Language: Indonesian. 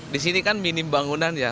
di sini kan minim bangunan ya